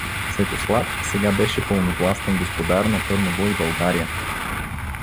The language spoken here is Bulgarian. Светослав сега беше пълновластен господар на Търново и България.